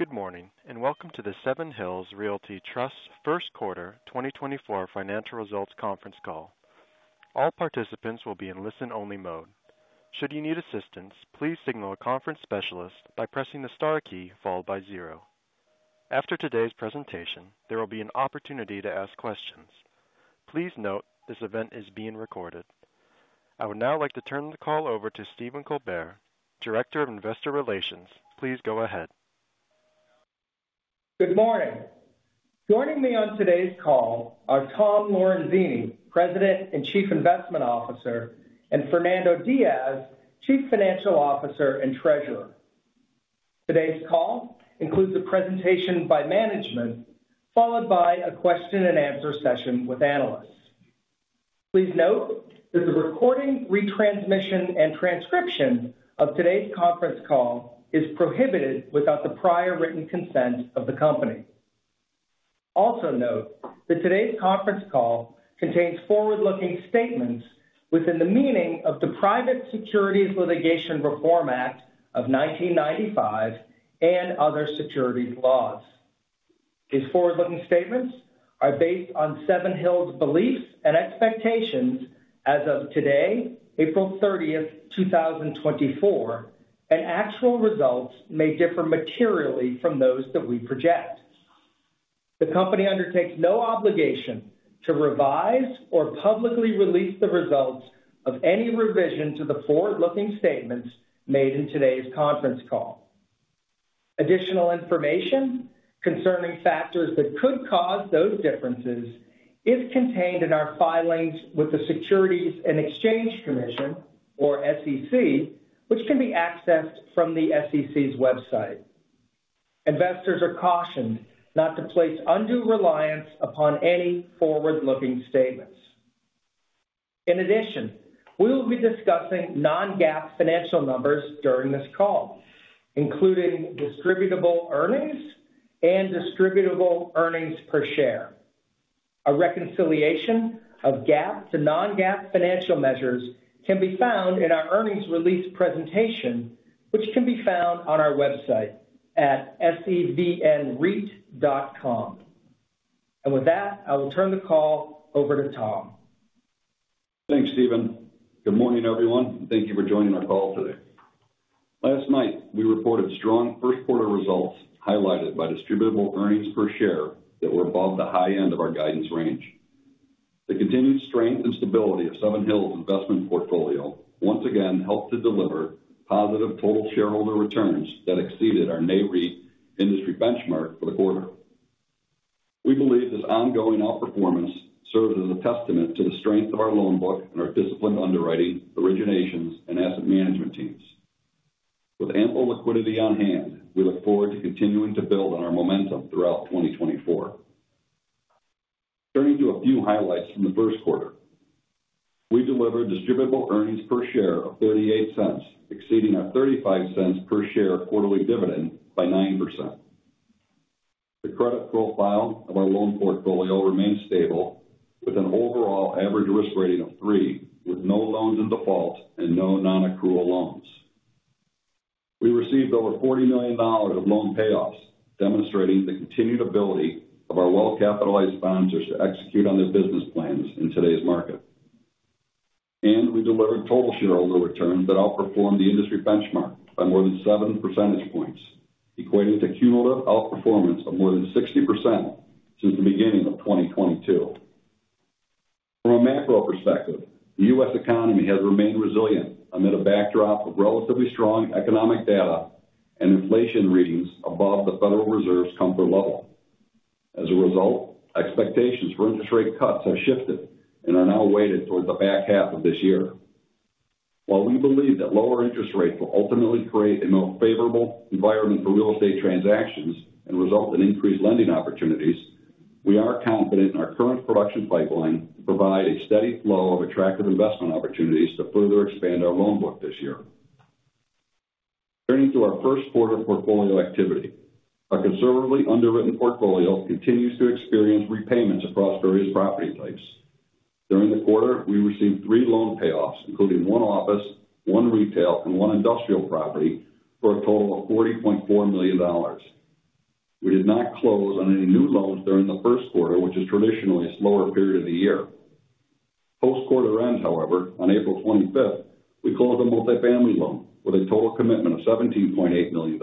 Good morning, and welcome to the Seven Hills Realty Trust First Quarter 2024 financial results conference call. All participants will be in listen-only mode. Should you need assistance, please signal a conference specialist by pressing the star key followed by zero. After today's presentation, there will be an opportunity to ask questions. Please note this event is being recorded. I would now like to turn the call over to Stephen Colbert, Director of Investor Relations. Please go ahead. Good morning. Joining me on today's call are Tom Lorenzini, President and Chief Investment Officer, and Fernando Diaz, Chief Financial Officer and Treasurer. Today's call includes a presentation by management, followed by a question and answer session with analysts. Please note that the recording, retransmission, and transcription of today's conference call is prohibited without the prior written consent of the company. Also note that today's conference call contains forward-looking statements within the meaning of the Private Securities Litigation Reform Act of 1995 and other securities laws. These forward-looking statements are based on Seven Hills' beliefs and expectations as of today, April 30, 2024, and actual results may differ materially from those that we project. The company undertakes no obligation to revise or publicly release the results of any revision to the forward-looking statements made in today's conference call. Additional information concerning factors that could cause those differences is contained in our filings with the Securities and Exchange Commission, or SEC, which can be accessed from the SEC's website. Investors are cautioned not to place undue reliance upon any forward-looking statements. In addition, we will be discussing non-GAAP financial numbers during this call, including distributable earnings and distributable earnings per share. A reconciliation of GAAP to non-GAAP financial measures can be found in our earnings release presentation, which can be found on our website at sevnreit.com. With that, I will turn the call over to Tom. Thanks, Stephen. Good morning, everyone, and thank you for joining our call today. Last night, we reported strong first quarter results, highlighted by distributable earnings per share that were above the high end of our guidance range. The continued strength and stability of Seven Hills' investment portfolio once again helped to deliver positive total shareholder returns that exceeded our Nareit industry benchmark for the quarter. We believe this ongoing outperformance serves as a testament to the strength of our loan book and our disciplined underwriting, originations, and asset management teams. With ample liquidity on hand, we look forward to continuing to build on our momentum throughout 2024. Turning to a few highlights from the first quarter. We delivered distributable earnings per share of $0.38, exceeding our $0.35 per share quarterly dividend by 9%. The credit profile of our loan portfolio remains stable, with an overall average risk rating of 3, with no loans in default and no non-accrual loans. We received over $40 million of loan payoffs, demonstrating the continued ability of our well-capitalized sponsors to execute on their business plans in today's market. We delivered total shareholder returns that outperformed the industry benchmark by more than 7 percentage points, equating to cumulative outperformance of more than 60% since the beginning of 2022. From a macro perspective, the U.S. economy has remained resilient amid a backdrop of relatively strong economic data and inflation readings above the Federal Reserve's comfort level. As a result, expectations for interest rate cuts have shifted and are now weighted towards the back half of this year. While we believe that lower interest rates will ultimately create a more favorable environment for real estate transactions and result in increased lending opportunities, we are confident in our current production pipeline to provide a steady flow of attractive investment opportunities to further expand our loan book this year. Turning to our first quarter portfolio activity. Our conservatively underwritten portfolio continues to experience repayments across various property types. During the quarter, we received three loan payoffs, including one office, one retail, and one industrial property, for a total of $40.4 million. We did not close on any new loans during the first quarter, which is traditionally a slower period of the year. Post quarter end, however, on April 25, we closed a multifamily loan with a total commitment of $17.8 million,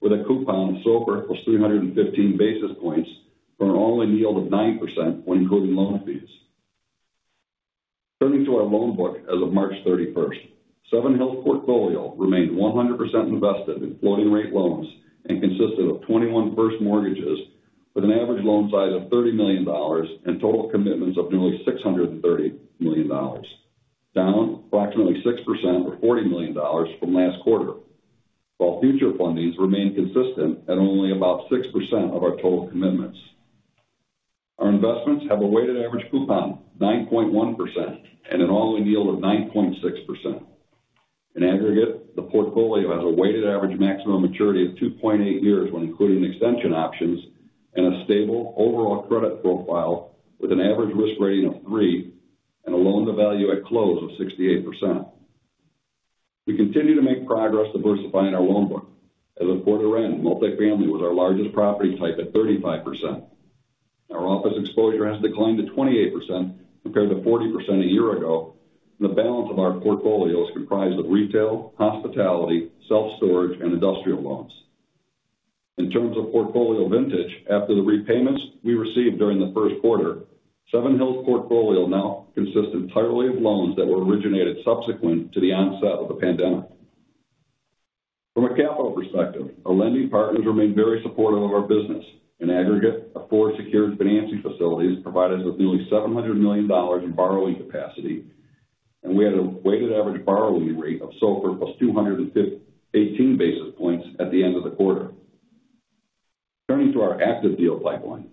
with a coupon of SOFR + 315 basis points for an all-in yield of 9% when including loan fees. Turning to our loan book as of March 31. Seven Hills' portfolio remained 100% invested in floating rate loans and consisted of 21 first mortgages with an average loan size of $30 million and total commitments of nearly $630 million, down approximately 6% or $40 million from last quarter, while future fundings remain consistent at only about 6% of our total commitments. Our investments have a weighted average coupon, 9.1%, and an all-in yield of 9.6%. In aggregate, the portfolio has a weighted average maximum maturity of 2.8 years when including extension options and a stable overall credit profile with an average risk rating of 3 and a loan-to-value at close of 68%. We continue to make progress diversifying our loan book. As of quarter end, multifamily was our largest property type at 35%. Our office exposure has declined to 28% compared to 40% a year ago. The balance of our portfolio is comprised of retail, hospitality, self-storage, and industrial loans. In terms of portfolio vintage, after the repayments we received during the first quarter, Seven Hills' portfolio now consists entirely of loans that were originated subsequent to the onset of the pandemic. From a capital perspective, our lending partners remain very supportive of our business. In aggregate, our four secured financing facilities provide us with nearly $700 million in borrowing capacity, and we had a weighted average borrowing rate of SOFR +285 basis points at the end of the quarter. Turning to our active deal pipeline,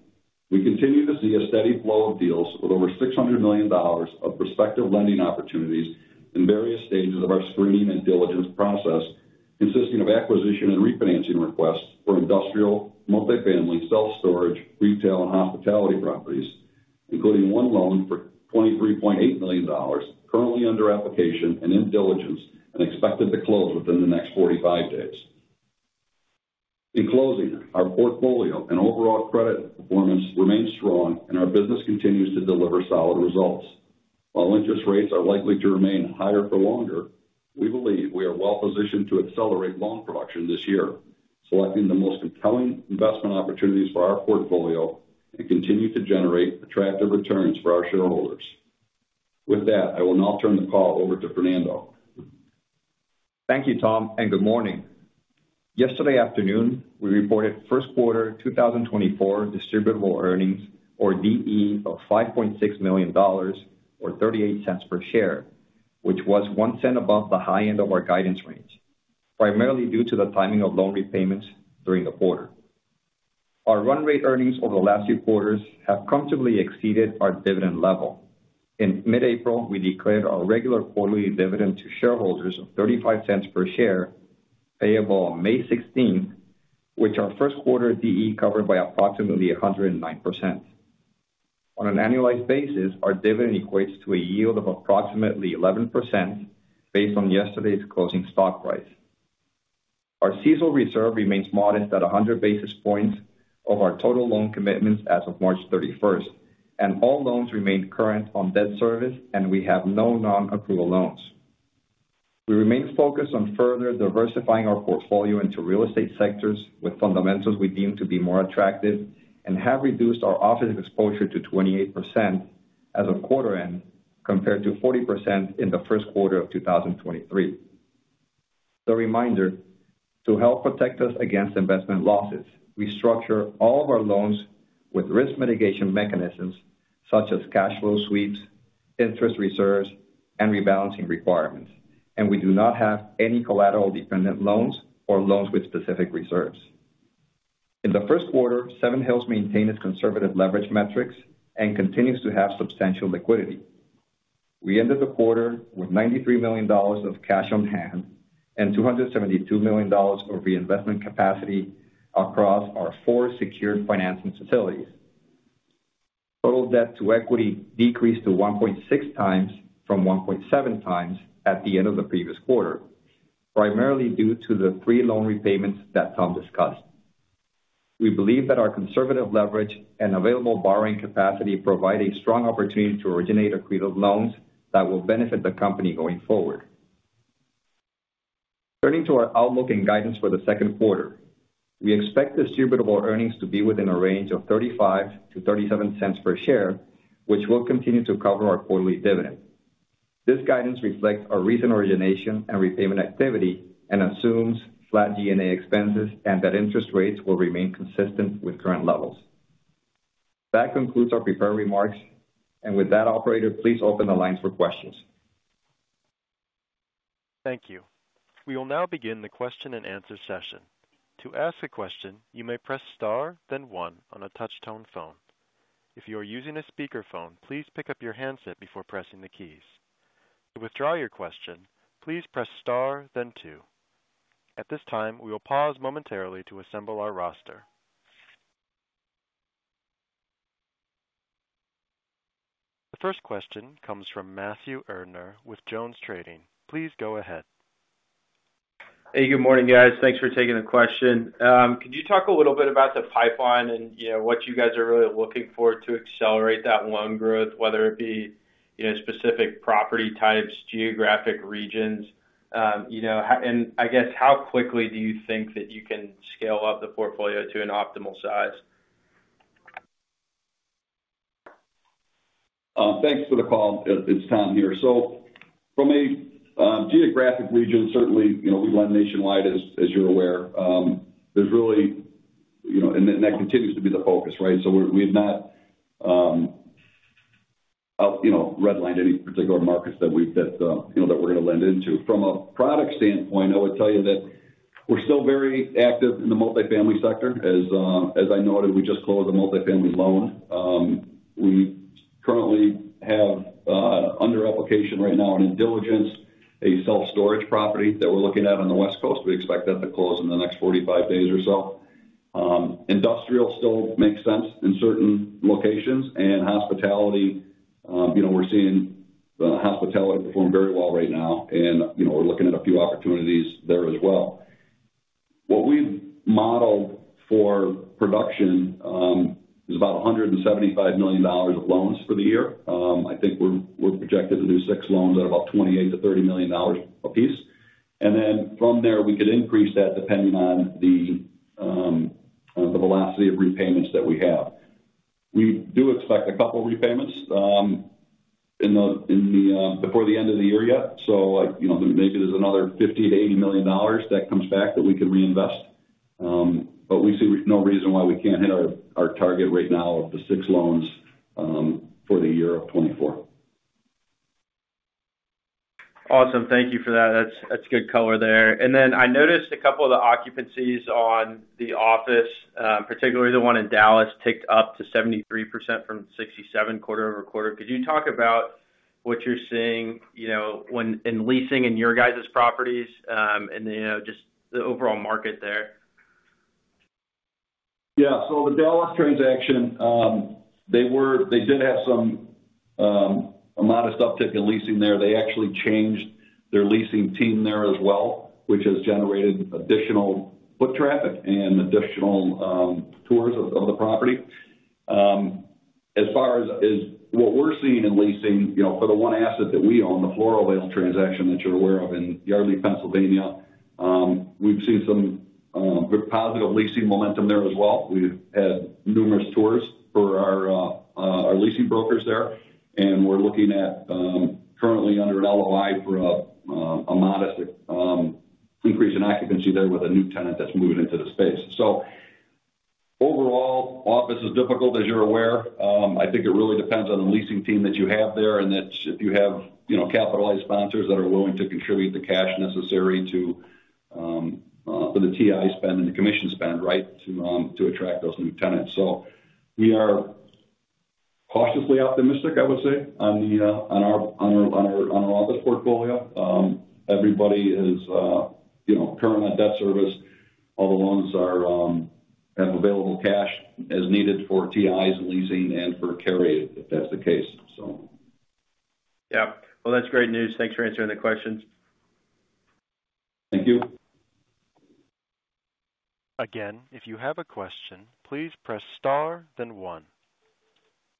we continue to see a steady flow of deals with over $600 million of prospective lending opportunities in various stages of our screening and diligence process, consisting of acquisition and refinancing requests for industrial, multifamily, self-storage, retail, and hospitality properties, including one loan for $23.8 million currently under application and in diligence and expected to close within the next 45 days. In closing, our portfolio and overall credit performance remains strong, and our business continues to deliver solid results. While interest rates are likely to remain higher for longer, we believe we are well positioned to accelerate loan production this year, selecting the most compelling investment opportunities for our portfolio and continue to generate attractive returns for our shareholders. With that, I will now turn the call over to Fernando. Thank you, Tom, and good morning. Yesterday afternoon, we reported first quarter 2024 distributable earnings, or DE, of $5.6 million, or $0.38 per share, which was $0.01 above the high end of our guidance range, primarily due to the timing of loan repayments during the quarter. Our run rate earnings over the last few quarters have comfortably exceeded our dividend level. In mid-April, we declared our regular quarterly dividend to shareholders of $0.35 per share, payable on May 16th, which our first quarter DE covered by approximately 109%. On an annualized basis, our dividend equates to a yield of approximately 11% based on yesterday's closing stock price. Our seasonal reserve remains modest at 100 basis points of our total loan commitments as of March thirty-first, and all loans remain current on debt service, and we have no non-accrual loans. We remain focused on further diversifying our portfolio into real estate sectors with fundamentals we deem to be more attractive and have reduced our office exposure to 28% as of quarter end, compared to 40% in the first quarter of 2023. As a reminder, to help protect us against investment losses, we structure all of our loans with risk mitigation mechanisms such as cash flow sweeps, interest reserves, and rebalancing requirements, and we do not have any collateral-dependent loans or loans with specific reserves. In the first quarter, Seven Hills maintained its conservative leverage metrics and continues to have substantial liquidity. We ended the quarter with $93 million of cash on hand and $272 million of reinvestment capacity across our 4 secured financing facilities. Total debt to equity decreased to 1.6x from 1.7x at the end of the previous quarter, primarily due to the 3 loan repayments that Tom discussed. We believe that our conservative leverage and available borrowing capacity provide a strong opportunity to originate accretive loans that will benefit the company going forward. Turning to our outlook and guidance for the second quarter. We expect distributable earnings to be within a range of $0.35-$0.37 per share, which will continue to cover our quarterly dividend. This guidance reflects our recent origination and repayment activity and assumes flat G&A expenses and that interest rates will remain consistent with current levels. That concludes our prepared remarks, and with that, operator, please open the lines for questions. Thank you. We will now begin the question-and-answer session. To ask a question, you may press star, then one on a touch-tone phone. If you are using a speakerphone, please pick up your handset before pressing the keys. To withdraw your question, please press star, then two. At this time, we will pause momentarily to assemble our roster. The first question comes from Matthew Erdner with JonesTrading. Please go ahead. Hey, good morning, guys. Thanks for taking the question. Could you talk a little bit about the pipeline and, you know, what you guys are really looking for to accelerate that loan growth, whether it be, you know, specific property types, geographic regions? You know, and I guess how quickly do you think that you can scale up the portfolio to an optimal size? Thanks for the call. It's Tom here. So from a geographic region, certainly, you know, we lend nationwide, as you're aware. There's really you know that continues to be the focus, right? So we have not you know redlined any particular markets that you know that we're going to lend into. From a product standpoint, I would tell you that we're still very active in the multifamily sector. As I noted, we just closed a multifamily loan. We currently have under application right now and in diligence, a self-storage property that we're looking at on the West Coast. We expect that to close in the next 45 days or so. Industrial still makes sense in certain locations, and hospitality, you know, we're seeing the hospitality perform very well right now, and, you know, we're looking at a few opportunities there as well. What we've modeled for production is about $175 million of loans for the year. I think we're projected to do 6 loans at about $28 million-$30 million apiece. And then from there, we could increase that depending on the velocity of repayments that we have. We do expect a couple repayments before the end of the year, yet, so, like, you know, maybe there's another $50 million-$80 million that comes back that we can reinvest. But we see no reason why we can't hit our, our target right now of the six loans for the year of 2024. Awesome. Thank you for that. That's, that's good color there. And then I noticed a couple of the occupancies on the office, particularly the one in Dallas, ticked up to 73% from 67% quarter-over-quarter. Could you talk about what you're seeing, you know, in leasing in your guys' properties, and, you know, just the overall market there? Yeah. So the Dallas transaction, they did have some a modest uptick in leasing there. They actually changed their leasing team there as well, which has generated additional foot traffic and additional tours of the property. As far as what we're seeing in leasing, you know, for the one asset that we own, the Floral Vale transaction that you're aware of in Yardley, Pennsylvania, we've seen some good positive leasing momentum there as well. We've had numerous tours for our leasing brokers there, and we're looking at currently under an LOI for a modest increase in occupancy there with a new tenant that's moving into the space. So overall, office is difficult, as you're aware. I think it really depends on the leasing team that you have there, and that if you have, you know, capitalized sponsors that are willing to contribute the cash necessary to for the TI spend and the commission spend, right, to attract those new tenants. So we are cautiously optimistic, I would say, on our office portfolio. Everybody is, you know, current on debt service. All the loans have available cash as needed for TIs, leasing, and for carry, if that's the case, so. Yeah. Well, that's great news. Thanks for answering the questions. Thank you. Again, if you have a question, please press star then one.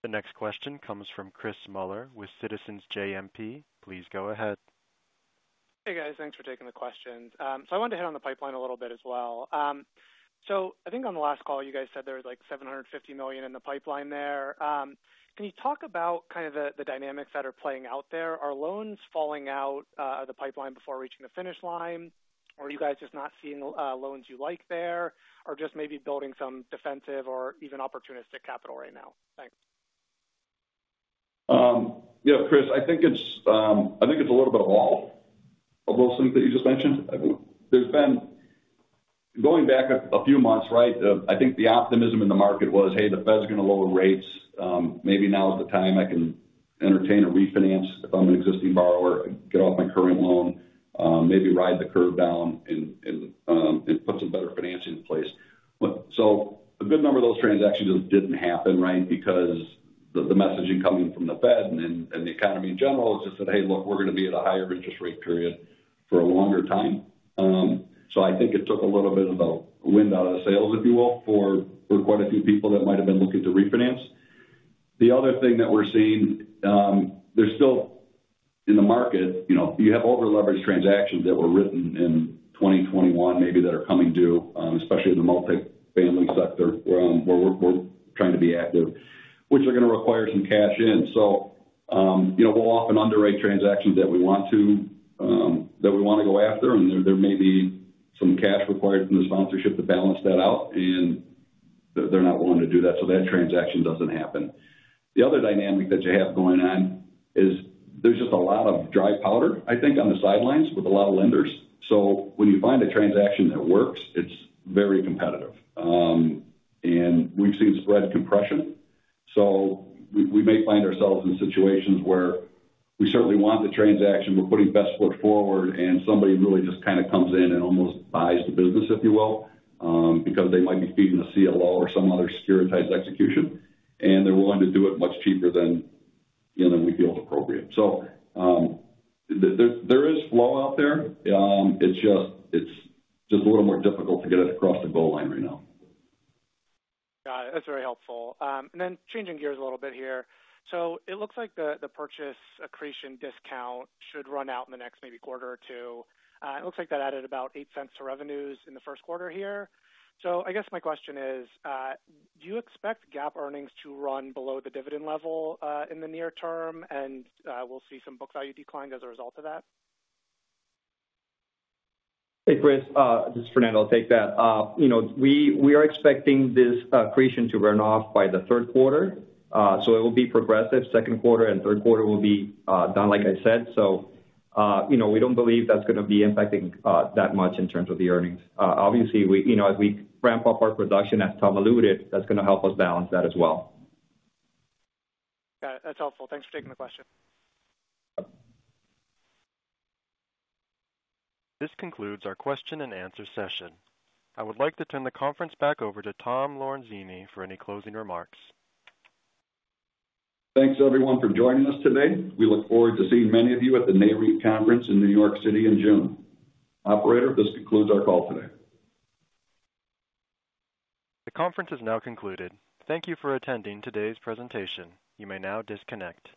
The next question comes from Chris Muller with Citizens JMP. Please go ahead. Hey, guys. Thanks for taking the questions. So I wanted to hit on the pipeline a little bit as well. So I think on the last call, you guys said there was, like, $750 million in the pipeline there. Can you talk about kind of the, the dynamics that are playing out there? Are loans falling out of the pipeline before reaching the finish line, or are you guys just not seeing loans you like there, or just maybe building some defensive or even opportunistic capital right now? Thanks. Yeah, Chris, I think it's a little bit of all of those things that you just mentioned. I think there's been... Going back a few months, right, I think the optimism in the market was, "Hey, the Fed's gonna lower rates. Maybe now is the time I can entertain a refinance if I'm an existing borrower, get off my current loan, maybe ride the curve down and put some better financing in place. But so a good number of those transactions just didn't happen, right, because the messaging coming from the Fed and the economy in general just said, "Hey, look, we're gonna be at a higher interest rate period for a longer time." So I think it took a little bit of the wind out of the sails, if you will, for quite a few people that might have been looking to refinance. The other thing that we're seeing, there's still in the market, you know, you have over-leveraged transactions that were written in 2021, maybe that are coming due, especially in the multifamily sector, where we're trying to be active, which are gonna require some cash in. So, you know, we'll often underwrite transactions that we want to, that we wanna go after, and there may be some cash required from the sponsorship to balance that out, and they're not willing to do that, so that transaction doesn't happen. The other dynamic that you have going on is there's just a lot of dry powder, I think, on the sidelines with a lot of lenders. So when you find a transaction that works, it's very competitive. And we've seen spread compression, so we may find ourselves in situations where we certainly want the transaction, we're putting best foot forward, and somebody really just kinda comes in and almost buys the business, if you will, because they might be feeding a CLO or some other securitized execution, and they're willing to do it much cheaper than, you know, than we feel appropriate. So, there is flow out there. It's just... It's just a little more difficult to get it across the goal line right now. Got it. That's very helpful. And then changing gears a little bit here. So it looks like the purchase accretion discount should run out in the next maybe quarter or two. It looks like that added about $0.08 to revenues in the first quarter here. So I guess my question is, do you expect GAAP earnings to run below the dividend level, in the near term, and, we'll see some book value declined as a result of that? Hey, Chris, this is Fernando. I'll take that. You know, we are expecting this accretion to run off by the third quarter. So it will be progressive. Second quarter and third quarter will be down, like I said. So, you know, we don't believe that's gonna be impacting that much in terms of the earnings. Obviously, we, you know, as we ramp up our production, as Tom alluded, that's gonna help us balance that as well. Got it. That's helpful. Thanks for taking the question. This concludes our question and answer session. I would like to turn the conference back over to Tom Lorenzini for any closing remarks. Thanks, everyone, for joining us today. We look forward to seeing many of you at the Nareit Conference in New York City in June. Operator, this concludes our call today. The conference is now concluded. Thank you for attending today's presentation. You may now disconnect.